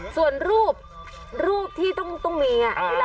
ส่วนรูปรูปที่ต้องตรงนี้อย่างนี้